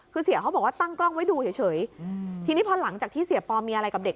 คือเสียเขาบอกว่าตั้งกล้องไว้ดูเฉยทีนี้พอหลังจากที่เสียปอมีอะไรกับเด็ก